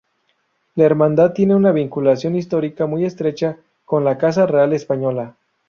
La Hermandad tiene una vinculación histórica muy estrecha con la Casa Real Española.